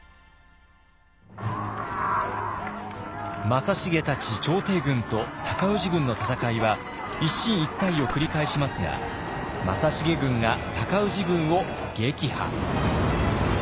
正成たち朝廷軍と尊氏軍の戦いは一進一退を繰り返しますが正成軍が尊氏軍を撃破。